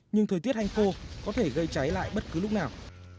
nhưng thời tiết hành khô có thể gây cháy lại bất cứ lúc nào